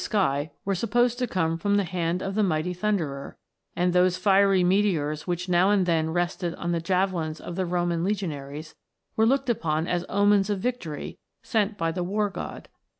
sky were supposed to come from the hand of the mighty Thunderer, and those fiery meteors which now and then rested on the javelins of the Roman legionaries, were looked upon as omens of victory sent by the "War god.